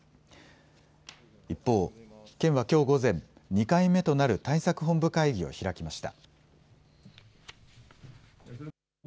一方、県はきょう午前、２回目となる対策本部会議を開きました。